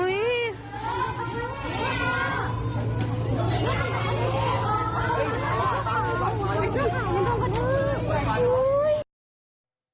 โอ๊ย